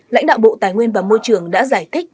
lãnh đạo bộ tài nguyên và môi trường đã giải thích